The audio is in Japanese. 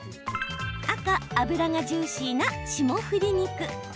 赤・脂がジューシーな霜降り肉。